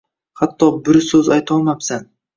Xatto bir suz aytolmayabsan